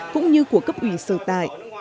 cũng như của cấp ủy sở tại